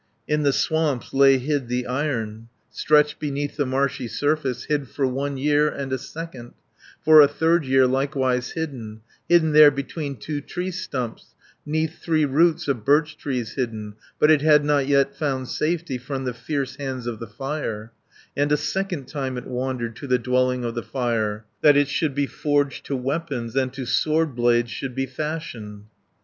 "In the swamps lay hid the Iron, Stretched beneath the marshy surface, Hid for one year and a second, For a third year likewise hidden, 90 Hidden there between two tree stumps, 'Neath three roots of birch trees hidden But it had not yet found safety From the fierce hands of the Fire, And a second time it wandered To the dwelling of the Fire, That it should be forged to weapons, And to sword blades should be fashioned.